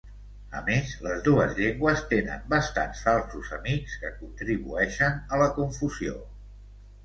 A més, les dues llengües tenen bastants falsos amics que contribueixen a la confusió.